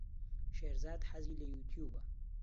شێرزاد حەزی لە یووتیووبە.